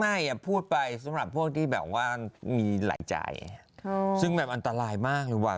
ไม่พูดไปสำหรับพวกที่แบบว่ามีหลายใจซึ่งแบบอันตรายมากหรือเปล่า